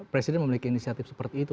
presiden memiliki inisiatif seperti itu